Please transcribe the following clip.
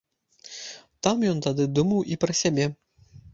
Там ён тады думаў і пра сябе.